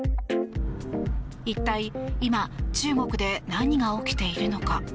一体、今中国で何が起きているのか。